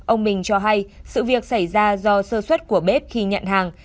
ông mình cho hay sự việc xảy ra do sơ xuất của bếp khi nhận hàng